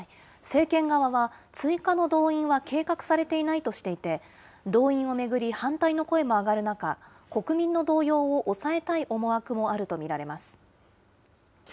政権側は、追加の動員は計画されていないとしていて、動員を巡り反対の声も上がる中、国民の動揺を抑えたい思惑もあると見られます。